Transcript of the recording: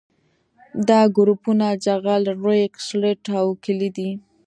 دا ګروپونه جغل ریګ سلټ او کلې دي